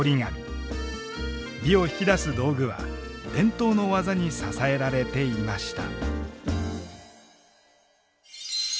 美を引き出す道具は伝統の技に支えられていました。